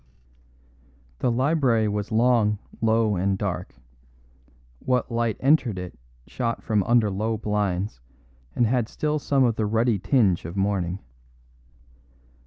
The library was long, low, and dark; what light entered it shot from under low blinds and had still some of the ruddy tinge of morning.